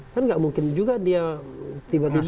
kan nggak mungkin juga dia tiba tiba